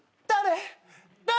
誰？